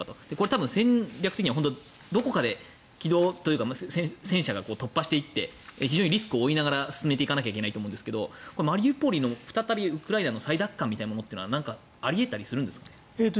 多分、戦略的にはどこかで起動というか戦車が突破していってリスクを負いながら進めていかなきゃいけないと思うんですがマリウポリの再びウクライナの再奪還みたいなものってなんかあり得たりするんですか？